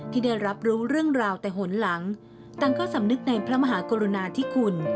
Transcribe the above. ที่ได้รับรู้เรื่องราวแต่หนหลังต่างก็สำนึกในพระมหากรุณาธิคุณ